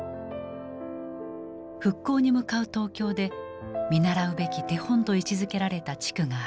復興に向かう東京で見習うべき手本と位置づけられた地区がある。